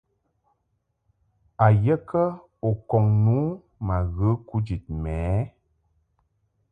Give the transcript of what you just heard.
A ye kə u kɔŋ nu ma ghə kujid mɛ ɛ ?